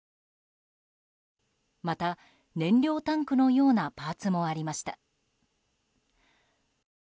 また燃料タンクのようなパーツもあります。